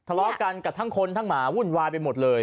ทะเลาะกันกับทั้งคนทั้งหมาวุ่นวายไปหมดเลย